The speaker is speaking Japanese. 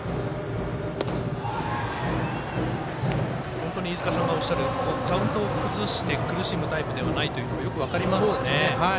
本当に飯塚さんがおっしゃるカウントを崩して苦しむタイプじゃないというのがよく分かりますね。